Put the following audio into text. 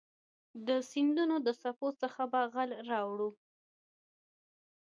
د سیندونو د څپو څه په غلا راوړي